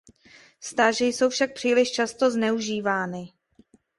Stáže jsou však příliš často zneužívány.